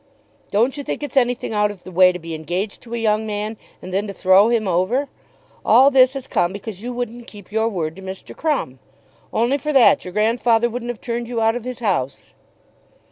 "Don't you think it's anything out of the way to be engaged to a young man and then to throw him over? All this has come because you wouldn't keep your word to Mr. Crumb. Only for that your grandfather wouldn't have turned you out of his house."